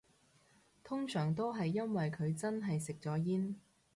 通常都係因為佢真係食咗煙